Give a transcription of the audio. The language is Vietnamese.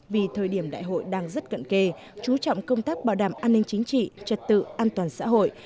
vì thời điểm đại hội đang rất cận kề chú trọng công tác bảo đảm an ninh chính trị trật tự an toàn xã hội